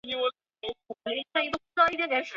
该案的重大突破是她对于被劫车地点的描述。